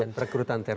dan rekrutan teror